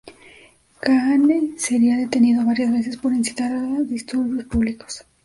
Kahane sería detenido varias veces por incitar a disturbios públicos.